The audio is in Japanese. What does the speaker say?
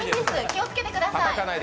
気をつけてください。